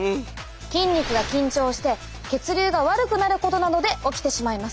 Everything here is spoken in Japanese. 筋肉が緊張して血流が悪くなることなどで起きてしまいます。